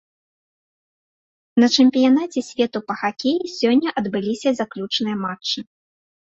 На чэмпіянаце свету па хакеі сёння адбыліся заключныя матчы.